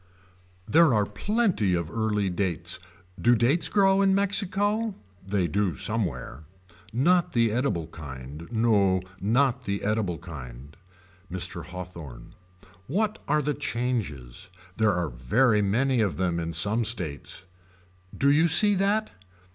There are plenty of early dates. Do dates grow in Mexico. They do somewhere. Not the edible kind. No not the edible kind. Mr. Hawthorne. What are the changes. There are very many of them in some states. Do you see that.